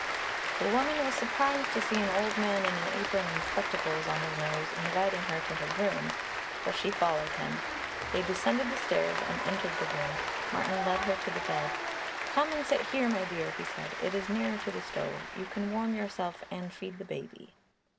The woman was surprised to see an old man in an apron and spectacles on his nose inviting her to his room, but she followed him. They descended the stairs and entered the room. Martin led her to the bed. "Come and sit here, my dear," he said. "It is nearer to the stove; you can warm yourself and feed the baby."